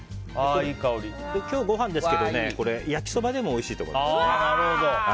今日はご飯ですけど焼きそばでもおいしいと思います。